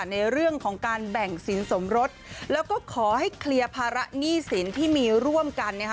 ในเรื่องของการแบ่งสินสมรสแล้วก็ขอให้เคลียร์ภาระหนี้สินที่มีร่วมกันนะคะ